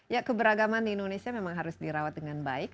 ya keberagaman di indonesia memang harus dirawat dengan baik